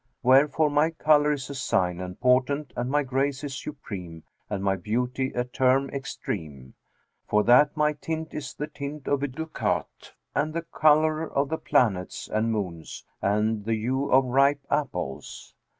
'[FN#377] Wherefore my colour is a sign and portent and my grace is supreme and my beauty a term extreme; for that my tint is the tint of a ducat and the colour of the planets and moons and the hue of ripe apples.